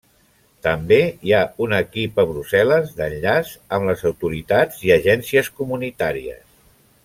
També hi ha un equip a Brussel·les d'enllaç amb les autoritats i agències comunitàries.